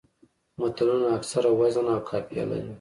متلونه اکثره وزن او قافیه لري